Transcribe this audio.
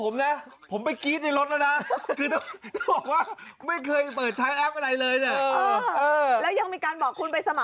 ฟังที่ดีนะครับจ้าฟังจ้า